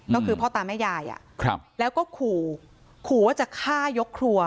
ก็คือพ่อตาแม่ยายแล้วก็ขู่ขู่ว่าจะฆ่ายกครัว